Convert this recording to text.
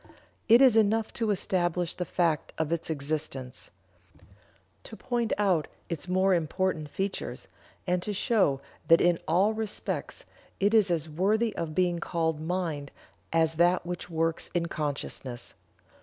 It is enough to establish the fact of its existence; to point out its more important features; and to show that in all respects it is as worthy of being called mind as that which works in consciousness.